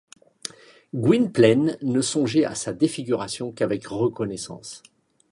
Gwynplaine ne songeait à sa défiguration qu’avec reconnaissance.